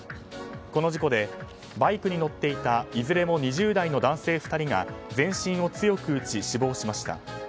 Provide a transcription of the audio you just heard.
この事故でバイクに乗っていたいずれも２０代の男性２人が全身を強く打ち、死亡しました。